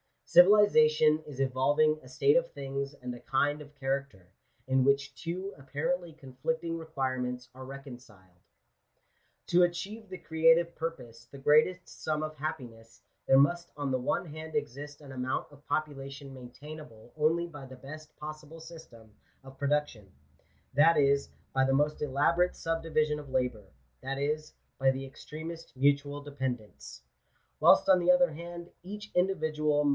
Civilization is evolv | ing a state of things and a. kind of character, in which two apparently conflicting requirements are reconciled. To achieve the creative purpose — the greatest sum of happiness, there must on the one hand exist an amount of population maintainable only by the best possible system of production ; that is, by the most elaborate subdivision of labour ; that is, by the extremest mutual dependence : whilst on the other hand, each individual Digitized by VjOOQIC 442 GENERAL CONSIDERATIONS.